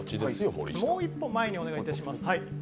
もう一歩前にお願いいたします。